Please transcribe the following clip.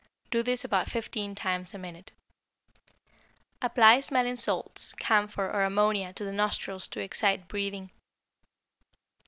Do this about fifteen times a minute. Apply smelling salts, camphor, or ammonia to the nostrils to excite breathing.